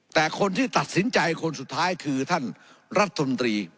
แต่คนที่ตัดสินใจคนสุดท้ายคือท่านรัฐมนตรี